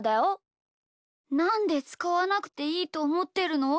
なんでつかわなくていいとおもってるの？